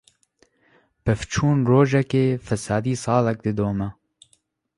Pevçûn rojekê, fesadî salek didome.